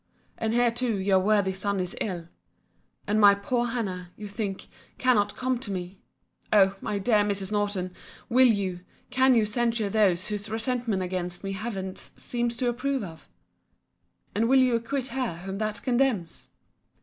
And here too your worthy son is ill; and my poor Hannah, you think, cannot come to me—O my dear Mrs. Norton, will you, can you censure those whose resentments against me Heaven seems to approve of? and will you acquit her whom that condemns?